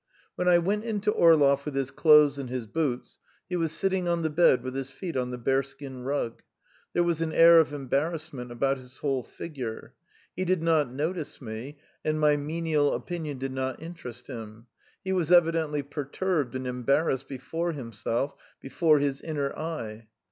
When I went in to Orlov with his clothes and his boots, he was sitting on the bed with his feet on the bearskin rug. There was an air of embarrassment about his whole figure. He did not notice me, and my menial opinion did not interest him; he was evidently perturbed and embarrassed before himself, before his inner eye.